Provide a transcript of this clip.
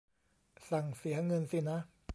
สั่งเสียเงินสินะ